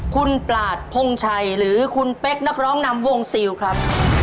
คุณปลาดพงชัยหรือคุณเป๊กนักร้องนำวงซิลครับ